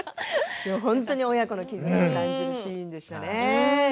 親子の絆を感じるシーンでしたね。